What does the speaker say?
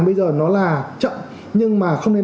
bây giờ nó là chậm nhưng mà không nên